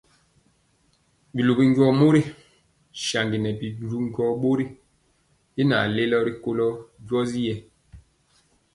Biluwi njɔɔ mori saŋgi nɛ bi du njɔɔ bori y naŋ lelo rikolo njɔɔtyi.